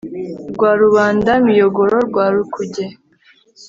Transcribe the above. rwa rubanda-miyogoro rwa rukuge,